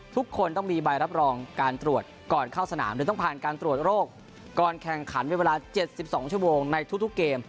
ทุกคนต้องมีใบรับรองการตรวจก่อนเข้าสนามโดยต้องผ่านการตรวจโรคก่อนแข่งขันเวลา๗๒ชั่วโมงในทุกเกม